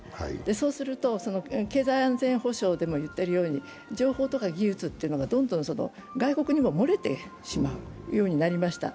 そうすると、経済安全保障でも言っているように情報とか技術というのがどんどん外国にも漏れてしまうようになりました。